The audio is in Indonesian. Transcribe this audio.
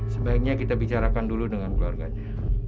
sebaiknya kita bicarakan dulu dengan keluarganya